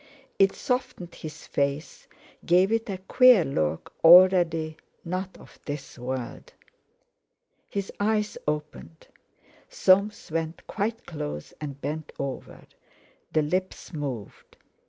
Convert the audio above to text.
It softened his face, gave it a queer look already not of this world. His eyes opened. Soames went quite close and bent over. The lips moved.